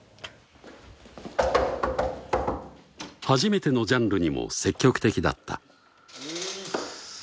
初めてのジャンルにも積極的だった